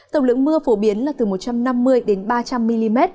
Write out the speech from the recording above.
tổng lượng mưa phổ biến là từ một trăm năm mươi đến ba trăm linh mm